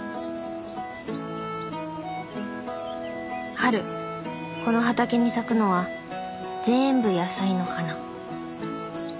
春この畑に咲くのは全部野菜の花。